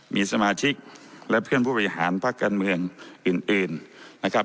มีสมาชิกและเพื่อนผู้บริหารพักการเมืองอื่นนะครับ